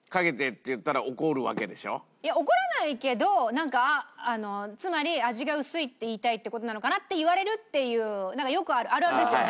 いや怒らないけどなんかつまり味が薄いって言いたいって事なのかな？って言われるっていうなんかよくあるあるあるですよね。